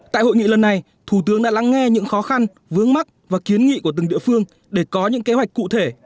tại hội nghị lần này thủ tướng đã lắng nghe những khó khăn vướng mắt và kiến nghị của từng địa phương để có những kế hoạch cụ thể